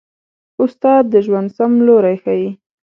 استاد د ژوند سم لوری ښيي.